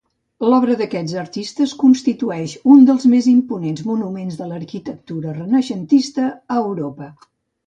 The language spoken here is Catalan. L'obra d'aquests artistes constitueix un dels més imponents monuments de l'arquitectura renaixentista a Europa.